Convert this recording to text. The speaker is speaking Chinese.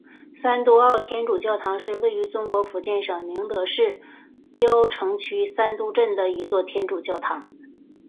三都澳天主教堂是位于中国福建省宁德市蕉城区三都镇的一座天主教堂。